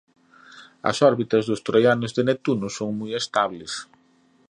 As órbitas dos troianos de Neptuno son moi estables.